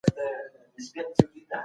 د لمر ختل د هر چا پام ځانته اړوي.